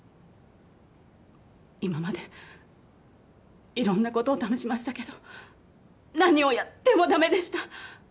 今までいろんなことを試しましたけど何をやってもだめでした。